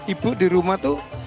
ibu di rumah tuh